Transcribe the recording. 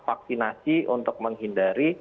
vaksinasi untuk menghindari